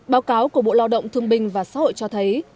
báo cáo của bộ lao động thương binh và xã hội cho thấy